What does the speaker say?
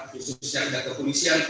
khususnya dari kantor komisian